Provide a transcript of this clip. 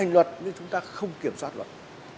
nhưng chúng ta không kiểm soát luật